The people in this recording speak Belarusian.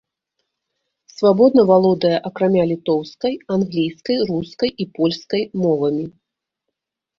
Свабодна валодае акрамя літоўскай англійскай, рускай і польскай мовамі.